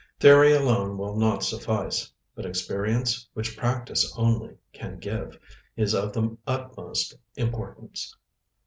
Theory alone will not suffice; but experience, which practice only can give, is of the utmost importance.